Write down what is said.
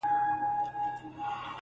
خو یو بل وصیت هم سپي دی راته کړی,